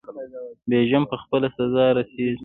بیژن په خپله سزا رسیږي.